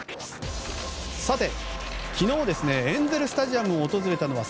昨日、エンゼル・スタジアムを訪れたのは侍